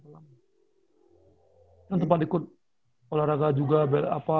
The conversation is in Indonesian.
kan tempat ikut olahraga juga berapa